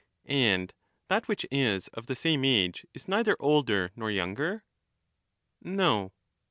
And that which is of the same age, is neither older nor younger ? No.